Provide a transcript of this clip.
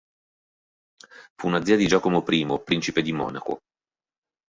Fu una zia di Giacomo I, Principe di Monaco.